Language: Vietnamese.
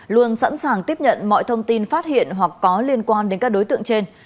luôn sẵn sàng tiếp nhận mọi thông tin phát hiện hoặc có liên quan đến các đối tượng trên